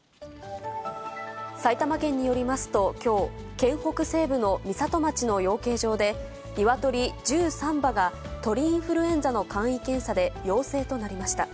埼玉県によりますと、きょう、県北西部の美里町の養鶏場で、ニワトリ１３羽が鳥インフルエンザの簡易検査で陽性となりました。